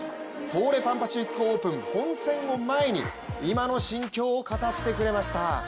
東レ・パン・パシフィックオープン本戦を前に今の心境を語ってくれました。